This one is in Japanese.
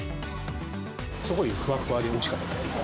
すごいふわふわでおいしかったです。